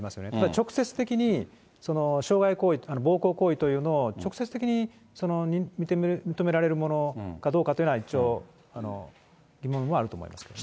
直接的に、傷害行為、暴行行為というのを、直接的に認められるものかどうかというのは、一応、疑問はあると思いますけどね。